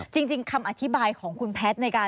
ครับจริงคำอธิบายของคุณแพทย์